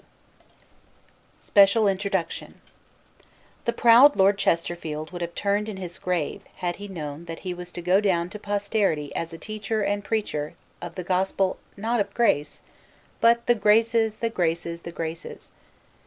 SPECIAL INTRODUCTION The proud Lord Chesterfield would have turned in his grave had he known that he was to go down to posterity as a teacher and preacher of the gospel of not grace, but "the graces, the graces, the graces."